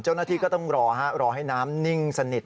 เจ้าหน้าที่ก็ต้องรอรอให้น้ำนิ่งสนิท